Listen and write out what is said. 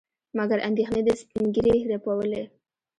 مګر اندېښنې د سپينږيري رپولې.